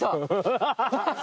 ハハハハ！